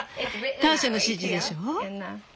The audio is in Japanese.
ターシャの指示でしょ？